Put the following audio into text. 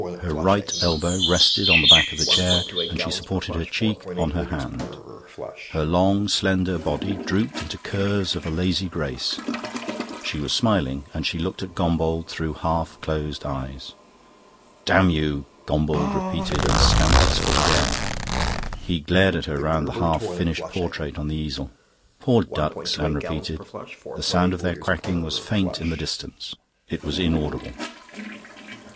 Her right elbow rested on the back of the chair and she supported her cheek on her hand. Her long, slender body drooped into curves of a lazy grace. She was smiling, and she looked at Gombauld through half closed eyes. "Damn you!" Gombauld repeated, and stamped his foot again. He glared at her round the half finished portrait on the easel. "Poor ducks!" Anne repeated. The sound of their quacking was faint in the distance; it was inaudible.